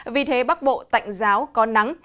vì thế bắc bộ tạnh giáo có nắng